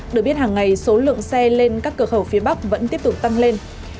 được biết hàng ngày số lượng xe lên các cửa khẩu phía bắc vẫn tiếp tục tăng lên